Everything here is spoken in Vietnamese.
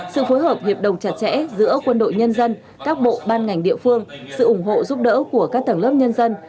sự phối hợp hiệp đồng chặt chẽ giữa quân đội nhân dân các bộ ban ngành địa phương sự ủng hộ giúp đỡ của các tầng lớp nhân dân